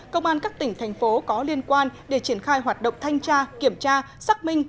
công an các tỉnh thành phố có liên quan để triển khai hoạt động thanh tra kiểm tra xác minh